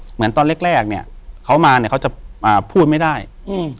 เหมือนตอนแรกแรกเนี้ยเขามาเนี้ยเขาจะอ่าพูดไม่ได้อืม